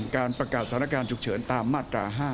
การประกาศสถานการณ์ฉุกเฉินตามมาตรา๕